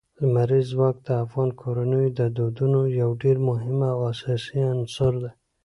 لمریز ځواک د افغان کورنیو د دودونو یو ډېر مهم او اساسي عنصر دی.